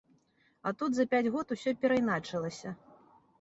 А тут за пяць год усё перайначылася.